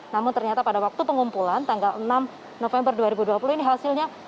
namun ternyata pada waktu pengumpulan tanggal enam november dua ribu dua puluh ini hasilnya